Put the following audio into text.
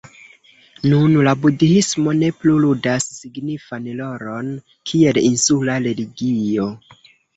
Nun la budhismo ne plu ludas signifan rolon kiel insula religio.